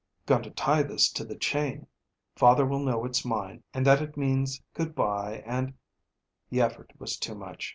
"Going to tie this to the chain. Father will know it's mine, and that it means good bye, and " The effort was too much.